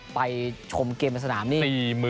ไปชมเกมในสนามนี่